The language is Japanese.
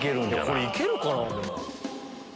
これいけるかな？